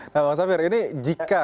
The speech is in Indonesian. nah bang safir ini jika